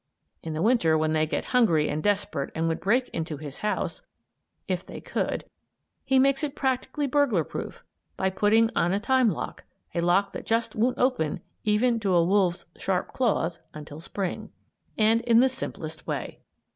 In the Winter, when they get hungry and desperate and would break into his house, if they could, he makes it practically burglar proof, by putting on a time lock; a lock that just won't open, even to a wolf's sharp claws, until Spring. And in the simplest way.